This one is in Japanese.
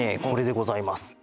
これでございます。